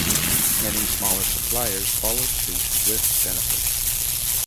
Many smaller suppliers followed suit with benefits.